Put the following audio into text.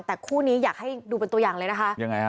แต่คู่นี้อยากให้ดูเป็นตัวอย่างเลยนะคะยังไงฮะ